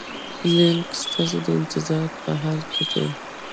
لینک ستاسو د انتظار په حال کې دی.